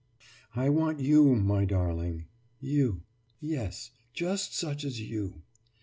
« »I want you, my darling, you. Yes, just such as you.